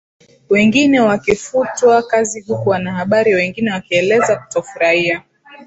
wengine wakifutwa kazi huku wanahabari wengine wakieleza kutofurahia